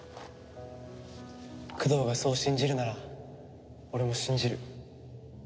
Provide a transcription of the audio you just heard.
九堂がそう信じるなら俺も信じる。